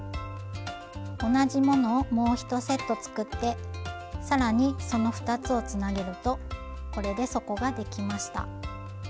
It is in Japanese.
同じものをもう１セット作って更にその２つをつなげるとこれで底ができました。